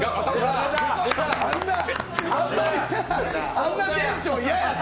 あんな店長嫌やって！